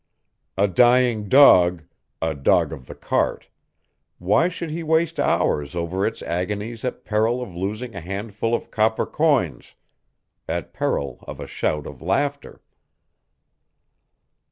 A dying dog, a dog of the cart why should he waste hours over its agonies at peril of losing a handful of copper coins, at peril of a shout of laughter?